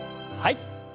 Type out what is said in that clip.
はい。